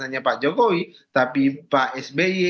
hanya pak jokowi tapi pak sby